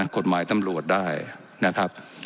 กฎหมายตำรวจได้นะครับ